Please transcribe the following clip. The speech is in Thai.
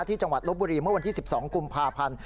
จังหวัดลบบุรีเมื่อวันที่๑๒กุมภาพันธ์